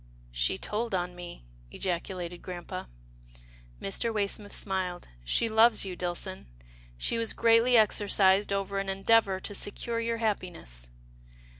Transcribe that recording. " She told on me," ejaculated Grampa. Mr. Waysmith smiled. " She loves you, Dillson. She was greatly exercised over an endeavour to secure your happiness."